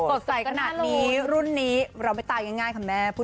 โอ้สักขนาดนี้รุ่นนี้เราไม่ตายง่ายค่ะแม่พุทธ